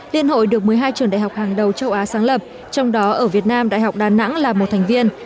liên hội được một mươi hai trường đại học hàng đầu châu á sáng lập trong đó ở việt nam đại học đà nẵng là một thành viên